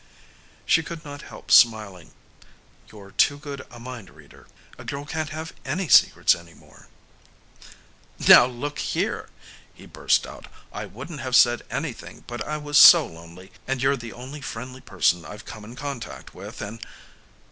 She could not help smiling. "You're too good a mind reader. A girl can't have any secrets any more." "Now look here," he burst out. "I wouldn't have said anything, but I was so lonely and you're the only friendly person I've come in contact with and